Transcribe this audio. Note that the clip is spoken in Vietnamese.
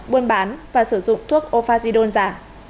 buôn bán và sử dụng thuốc ophazidone giả